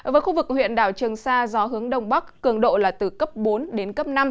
với khu vực huyện đảo trường sa gió hướng đông bắc cường độ là từ cấp bốn đến cấp năm